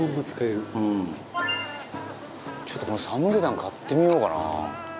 ちょっとこのサムゲタン買ってみようかな。